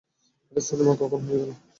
এটা সিনেমা কখন হয়ে গেল?